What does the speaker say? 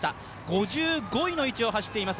５５位の位置を走っています